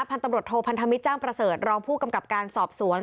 พันธุ์ตำรวจโทพันธมิตรจ้างประเสริฐรองผู้กำกับการสอบสวน